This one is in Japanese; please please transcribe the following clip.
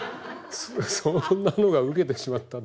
そんなのがウケてしまった。